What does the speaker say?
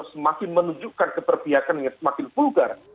semakin menunjukkan keterpiakan yang semakin vulgar